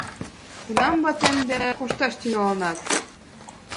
— Кунам ватем дене кошташ тӱҥалынат?